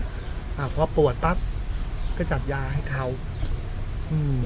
อ่าพอปวดปั๊บก็จัดยาให้เขาอืมอย่างนี้